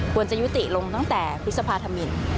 ควรจะยุติลงตั้งแต่ภิกษภาธรรมินทร์